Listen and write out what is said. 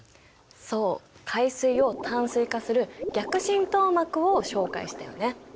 そう海水を淡水化する逆浸透膜を紹介したよね。